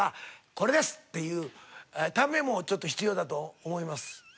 これです！っていうためもちょっと必要だと思います。